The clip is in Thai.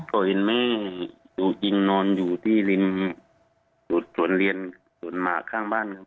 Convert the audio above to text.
ก็เห็นแม่ถูกยิงนอนอยู่ที่ริมสวนเรียนสวนหมากข้างบ้านครับ